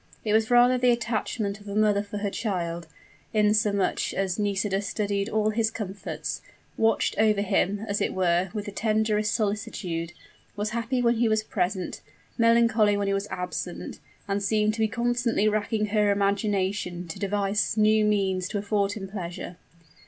It was rather the attachment of a mother for her child; inasmuch as Nisida studied all his comforts watched over him, as it were, with the tenderest solicitude was happy when he was present, melancholy when he was absent, and seemed to be constantly racking her imagination to devise new means to afford him pleasure.